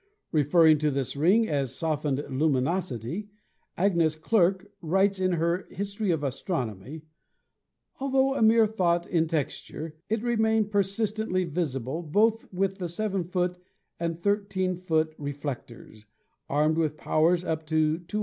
Referring to this ring of softened luminosity, Agnes Clerke writes in her 'History of Astronomy': "Altho a 'mere thought' in texture, it remained persistently vis ible both with the seven foot and the thirteen foot re flectors, armed with powers up to 288.